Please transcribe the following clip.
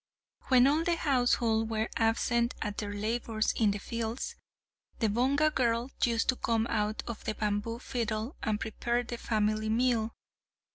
When all the household were absent at their labours in the fields, the Bonga girl used to come out of the bamboo fiddle, and prepared the family meal.